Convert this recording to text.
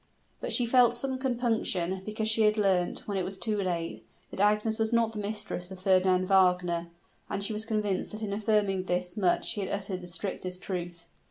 But she felt some compunction, because she had learnt, when it was too late, that Agnes was not the mistress of Fernand Wagner; and she was convinced that in affirming this much he had uttered the strictest truth.